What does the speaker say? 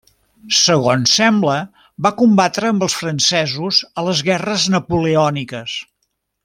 Segons sembla, va combatre amb els francesos a les Guerres Napoleòniques.